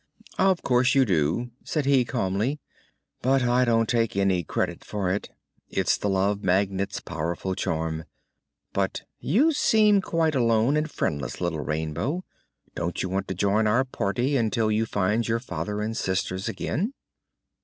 "Of course you do," said he calmly; "but I don't take any credit for it. It's the Love Magnet's powerful charm. But you seem quite alone and friendless, little Rainbow. Don't you want to join our party until you find your father and sisters again?"